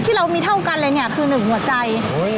ที่เรามีเท่ากันเลยเนี่ยคือหนึ่งหัวใจ